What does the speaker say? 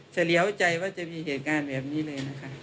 เลี้ยวใจว่าจะมีเหตุการณ์แบบนี้เลยนะคะ